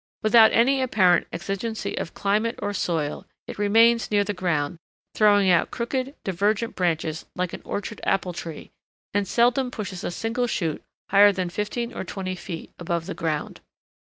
Without any apparent exigency of climate or soil, it remains near the ground, throwing out crooked, divergent branches like an orchard apple tree, and seldom pushes a single shoot higher than fifteen or twenty feet above the ground.